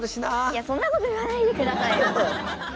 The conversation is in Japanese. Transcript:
いやそんなこと言わないでくださいよ。